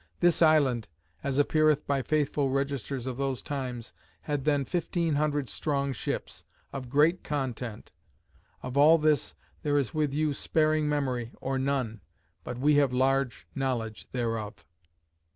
This island, (as appeareth by faithful registers of those times,) had then fifteen hundred strong ships, of great content. Of all this, there is with you sparing memory, or none; but we have large knowledge thereof.